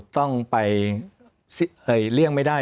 ต้องไปเลี่ยงไม่ได้